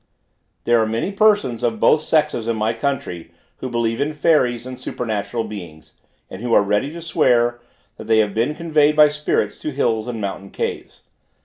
There are many persons of both sexes in my country, who believe in fairies and supernatural beings, and who are ready to swear, that they have been conveyed by spirits to hills and mountain caves.